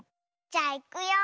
じゃあいくよ。